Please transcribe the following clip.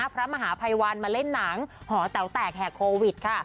พระมหาภัยวันมาเล่นหนังหอแต๋วแตกแห่โควิดค่ะ